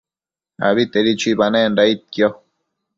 Abitedi chuibanenda aidquio